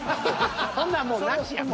ほんなんもうなしやん。